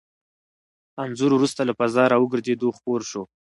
انځور وروسته له فضا راګرځېدو خپور شو.